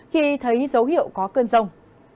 khi thấy dấu hiệu có cơn rông